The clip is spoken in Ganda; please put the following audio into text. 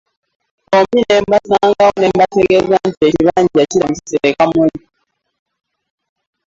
Bombi ne mbasangawo ne mbategeeza nti ekibanja kirabise e Kamuli.